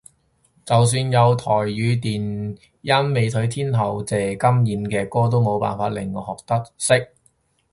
就算有台語電音美腿天后謝金燕嘅歌都冇辦法令我學得識